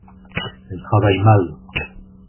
Elle travaille mal.